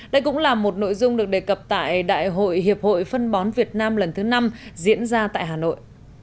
đây cũng là một nội dung được đề cập tại đại hội hiệp hội phân bón việt nam lần thứ năm diễn ra tại hà nội